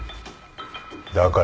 だから？